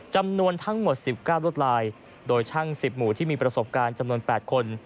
จำนวนทั้งหมด๑๙รวดลายโดยช่าง๑๐หมู่ที่มีประสบการณ์จำนวน๘คน